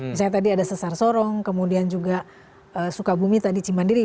misalnya tadi ada sesar sorong kemudian juga sukabumi tadi cimandiri